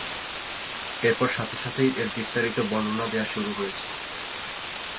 এরপর সাথে সাথেই এর বিস্তারিত বর্ণনা দেয়া শুরু হয়েছে।